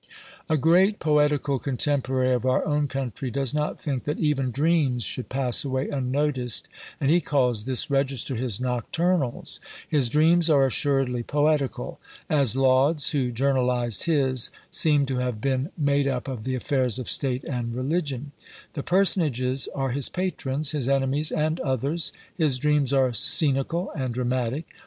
A great poetical contemporary of our own country does not think that even Dreams should pass away unnoticed; and he calls this register his Nocturnals. His dreams are assuredly poetical; as Laud's, who journalised his, seem to have been made up of the affairs of state and religion; the personages are his patrons, his enemies, and others; his dreams are scenical and dramatic.